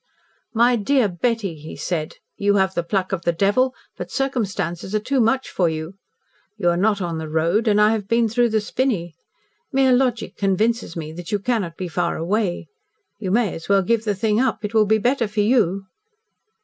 "My dear Betty," he said, "you have the pluck of the devil, but circumstances are too much for you. You are not on the road, and I have been through the spinney. Mere logic convinces me that you cannot be far away. You may as well give the thing up. It will be better for you."